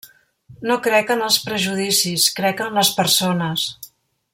No crec en els prejudicis, crec en les persones.